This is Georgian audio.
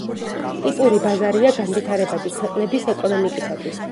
ტიპური ბაზარია განვითარებადი ქვეყნების ეკონომიკისათვის.